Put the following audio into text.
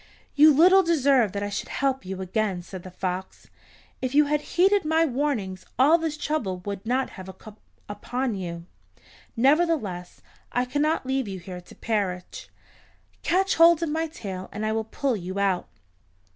"You little deserve that I should help you again," said the fox. "If you had heeded my warnings all this trouble would not have come upon you. Nevertheless, I cannot leave you here to perish. Catch hold of my tail, and I will pull you out."